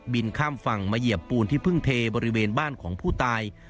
ข้ามฝั่งมาเหยียบปูนที่เพิ่งเทบริเวณบ้านของผู้ตาย